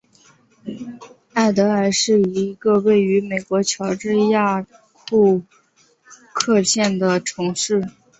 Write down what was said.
艾得尔是一个位于美国乔治亚州库克县的城市。